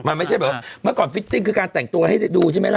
มันไม่ใช่แบบเมื่อก่อนฟิตติ้งคือการแต่งตัวให้ดูใช่ไหมล่ะ